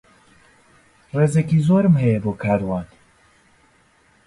ڕێزێکی زۆرم هەیە بۆ کاروان.